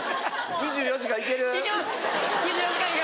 『２４時間』いけます。